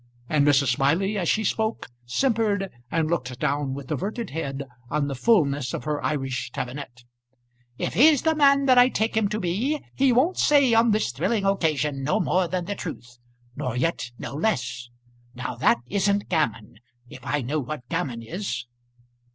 and Mrs. Smiley, as she spoke, simpered, and looked down with averted head on the fulness of her Irish tabinet "if he's the man that I take him to be, he won't say on this thrilling occasion no more than the truth, nor yet no less. Now that isn't gammon if I know what gammon is."